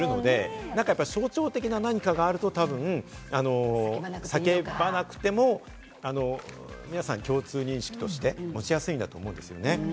で、お城もあったりするので、象徴的な何かがあると多分、叫ばなくても皆さん共通認識として持ちやすいんだと思うんですよね。